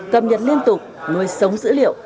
cập nhật liên tục nuôi sống dữ liệu